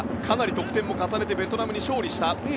かなり得点も重ねてベトナムに勝利した。